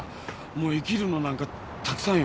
もう生きるのなんかたくさんよ。